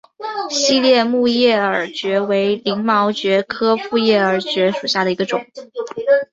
细裂复叶耳蕨为鳞毛蕨科复叶耳蕨属下的一个种。